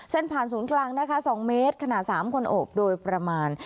เส้นผ่านสูงกลาง๒เมตรขนาด๓คนโอบโดยประมาณ